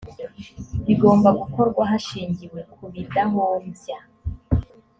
bigomba gukorwa hashingiwe ku bidahombya